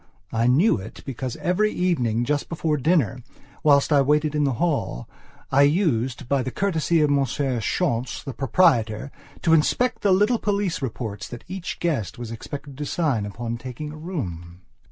I knew it because every evening just before dinner, whilst I waited in the hall, I used, by the courtesy of Monsieur Schontz, the proprietor, to inspect the little police reports that each guest was expected to sign upon taking a room.